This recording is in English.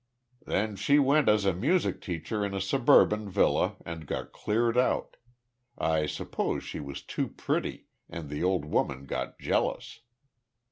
"Then she went as a music teacher in a suburban villa, and got cleared out; I suppose she was too pretty, and the old woman got jealous."